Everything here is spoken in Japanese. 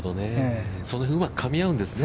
その辺はうまくかみ合うんですね。